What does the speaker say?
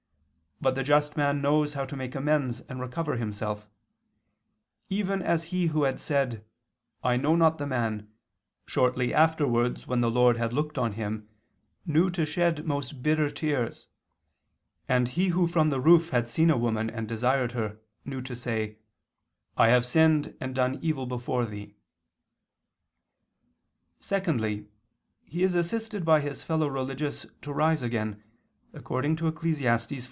But the just man knows how to make amends and recover himself; even as he who had said: 'I know not the man,' shortly afterwards when the Lord had looked on him, knew to shed most bitter tears, and he who from the roof had seen a woman and desired her knew to say: 'I have sinned and done evil before Thee.'" Secondly, he is assisted by his fellow religious to rise again, according to Eccles.